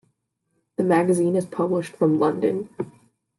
The magazine is published from London.